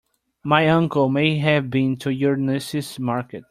My uncle may have been to your niece's market.